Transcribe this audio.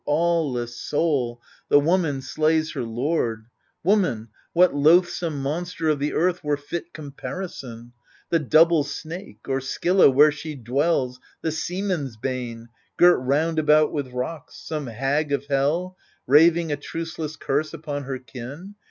aweless soul I the woman slays her lord — Woman ? what loathsome monster of the eaKh Were fit comparison ? The double snake — Or Scylla, where she dwells, the seaman's bane, Girt round about with rocks ? some hag of hell, Raving a truceless curse upon her kin